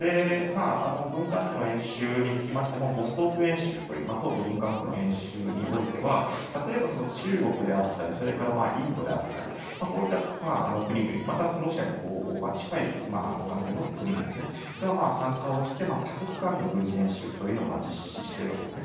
軍管区の演習につきましてもボストーク演習という東部軍管区の演習においては例えば中国であったりインドであったりこういった国々またロシアに近い関係を持つ国々が参加をして多国間の軍事演習を実施しているわけです。